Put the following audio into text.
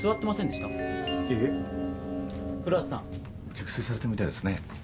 熟睡されてるみたいですね。